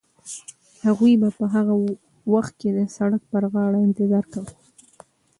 هغوی به په هغه وخت کې د سړک پر غاړه انتظار کاوه.